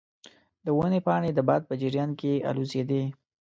د ونې پاڼې د باد په جریان کې الوزیدې.